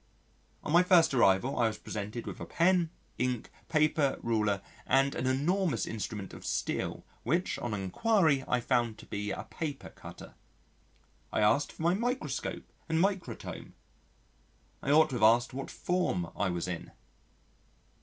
On my first arrival I was presented with a pen, ink, paper, ruler, and an enormous instrument of steel which on enquiry I found to be a paper cutter. I asked for my microscope and microtome. I ought to have asked what Form I was in.